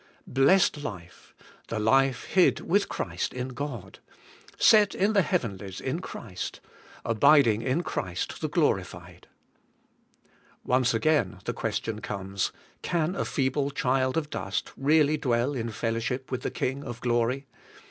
Blessed life! 'the life hid with Christ in God,' *set in the heavenlies in Christ,' abiding in Christ the THE GLORIFIED ONE. 235 glorified! Once again the question comes: Can a feeble child of dust really dwell in fellowship with the King of glory?